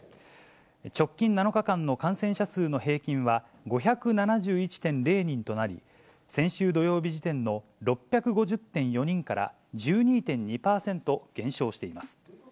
直近７日間の感染者数の平均は、５７１．０人となり、先週土曜日時点の６５０．４人から１２．２％減少しています。